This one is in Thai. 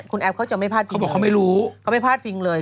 คุณแอฟเขาจะไม่พลาดภิงเลย